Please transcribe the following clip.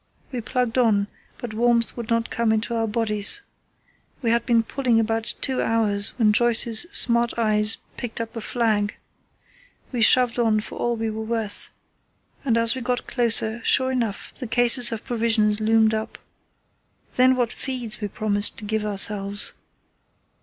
We plugged on, but warmth would not come into our bodies. We had been pulling about two hours when Joyce's smart eyes picked up a flag. We shoved on for all we were worth, and as we got closer, sure enough, the cases of provisions loomed up. Then what feeds we promised to give ourselves.